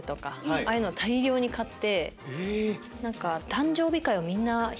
ああいうのを大量に買って。